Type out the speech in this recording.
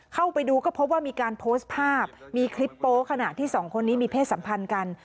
เข้าไปดูก็พบว่ามีการโพสต์ภาพมีคลิปโป๊ขณะที่สองคนนี้มีเพศสัมพันธ์กัน